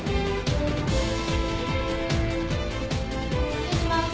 失礼します。